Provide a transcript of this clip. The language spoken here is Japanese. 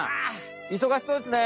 いそがしそうですね！